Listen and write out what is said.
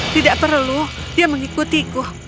tidak perlu dia mengikutiku